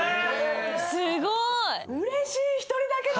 すごい。